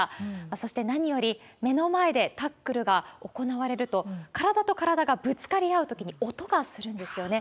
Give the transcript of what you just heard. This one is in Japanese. そして、何より目の前でタックルが行われると、体と体がぶつかり合うときに音がするんですよね。